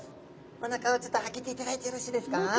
おなかをちょっと開けていただいてよろしいですか？